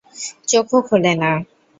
চোখও খুলে না।